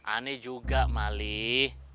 aneh juga malih